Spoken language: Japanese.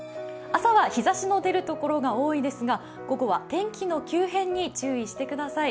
朝は日ざしの出る所が多いですが午後は天気の急変に注意してください。